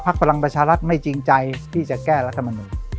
ภักดิ์พลังประชารัฐไม่จริงใจที่จะแก้รัฐมนตรี